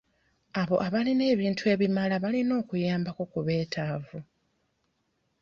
Abo abalina ebintu ebimala balina okuyambako ku betaavu.